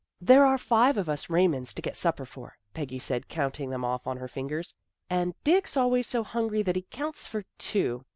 " There are five of us Raymonds to get supper for," Peggy said count ing them off on her fingers. " And Dick's al ways so hungry that he counts for two.